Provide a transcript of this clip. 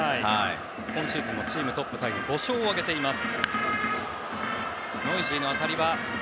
今シーズンのチームトップタイの５勝を挙げています。